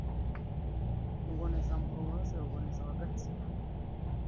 Ruboneza Ambroise Ruboneza wa Gatsibo